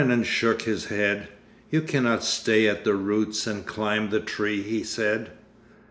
Karenin shook his head. 'You cannot stay at the roots and climb the tree,' he said....